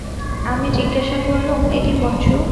আমি জিজ্ঞাসা করলুম, একি পঞ্চু?